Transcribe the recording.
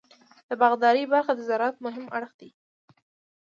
د باغدارۍ برخه د زراعت مهم اړخ دی.